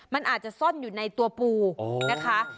มันอาจจะซ่อนอยู่ในตัวปูนะคะ